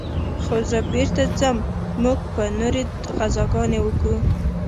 خو زه بېرته ځم موږ به نورې غزاګانې وكو.